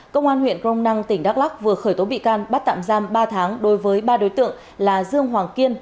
công an huyện crong năng tỉnh đắk lắc vừa khởi tố bị can bắt tạm giam ba tháng đối với ba đối tượng là dương hoàng kiên